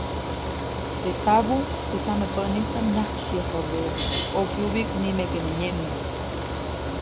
Teʼ tabuʼ, teʼ tsamepäʼnistaʼm nyajkspäyajpabädeʼe ʼokyubyiʼk, nimeke nä nyeʼmnäʼk.